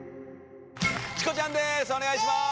チコちゃんです